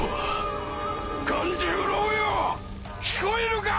カン十郎よ聞こえるか！